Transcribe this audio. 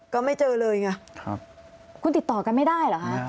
ก็ไม่เจอเลยไงคุณติดต่อกันไม่ได้เหรอคะ